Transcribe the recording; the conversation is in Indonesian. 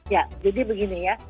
ya jadi begini ya